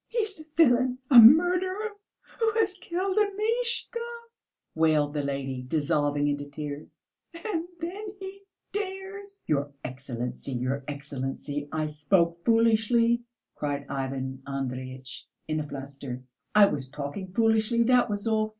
"He is a villain, a murderer who has killed Amishka," wailed the lady, dissolving into tears. "And then he dares!..." "Your Excellency, your Excellency! I spoke foolishly," cried Ivan Andreyitch in a fluster. "I was talking foolishly, that was all!